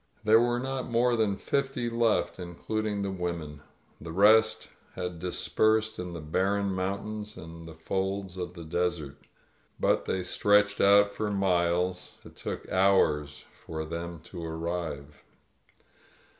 There were not more than fifty left, including the women — ^the rest had dispersed in the barren mountains and the folds of the desert — ^but they stretched out for miles; it took hours for them to arrive.